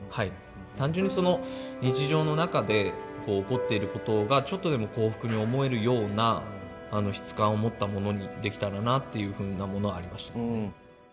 単純に日常の中で起こっていることがちょっとでも幸福に思えるような質感を持ったものにできたらなっていうふうなものはありましたけどね。